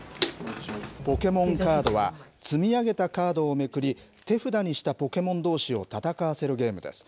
ポケモンカードは積み上げたカードをめくり、手札にしたポケモンどうしを戦わせるゲームです。